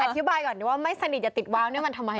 อธิบายก่อนดีว่าไม่สนิทอย่าติดว้าวเนี่ยมันทำไม